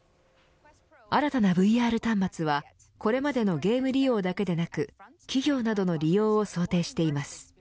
新たなＶＲ端末はこれまでのゲーム利用だけでなく企業などの利用を想定しています。